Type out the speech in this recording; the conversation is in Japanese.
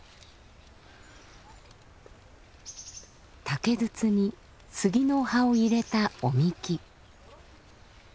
竹筒にスギの葉を入れたお神酒。